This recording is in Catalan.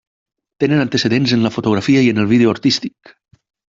Tenen antecedents en la fotografia i en el vídeo artístic.